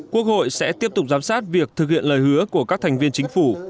quốc hội sẽ tiếp tục giám sát việc thực hiện lời hứa của các thành viên chính phủ